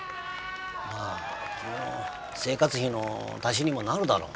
まあ君の生活費の足しにもなるだろう。